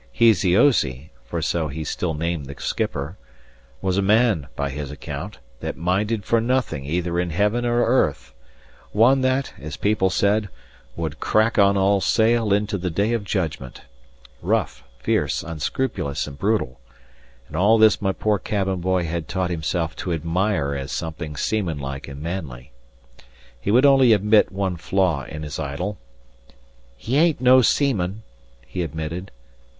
Heasyoasy (for so he still named the skipper) was a man, by his account, that minded for nothing either in heaven or earth; one that, as people said, would "crack on all sail into the day of judgment;" rough, fierce, unscrupulous, and brutal; and all this my poor cabin boy had taught himself to admire as something seamanlike and manly. He would only admit one flaw in his idol. "He ain't no seaman," he admitted.